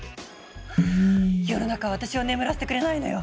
世の中は私を眠らせてくれないのよ！